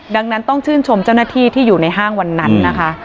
ดังนั้นต้องชื่นชมเจ้าหน้าที่ที่อยู่ในห้างวันนั้นนะคะ